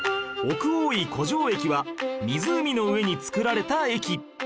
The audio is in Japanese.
奥大井湖上駅は湖の上に造られた駅